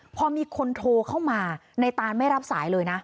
พอมีคนโทรเข้ามาในตานไม่รับสายเลยนะ